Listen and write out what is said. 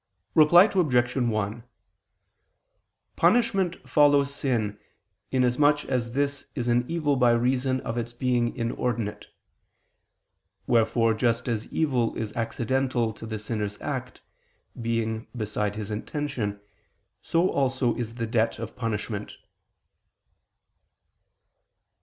Reply Obj. 1: Punishment follows sin, inasmuch as this is an evil by reason of its being inordinate. Wherefore just as evil is accidental to the sinner's act, being beside his intention, so also is the debt of punishment.